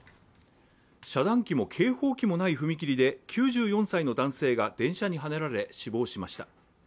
遮断機も警報機もない踏切で９４歳の男性が電車にはねられ死亡しました。